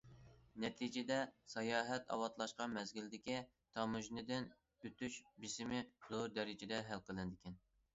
نەتىجىدە، ساياھەت ئاۋاتلاشقان مەزگىلدىكى تاموژنىدىن ئۆتۈش بېسىمى زور دەرىجىدە ھەل قىلىنىدىكەن.